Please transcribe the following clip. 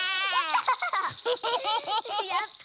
やった！